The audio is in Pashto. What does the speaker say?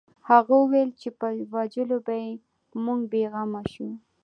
هغه وویل چې په وژلو به یې موږ بې غمه شو